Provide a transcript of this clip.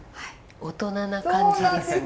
大人な感じですね。